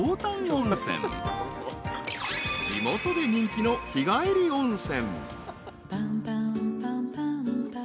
［地元で人気の日帰り温泉］